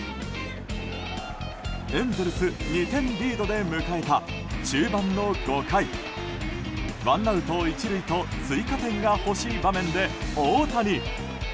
エンゼルス２点リードで迎えた中盤の５回ワンアウト１塁と追加点が欲しい場面で大谷。